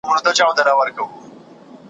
د تيارو سي ورته مخ د ورځو شا سي ,